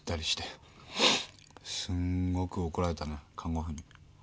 すんごく怒られたね看護婦に。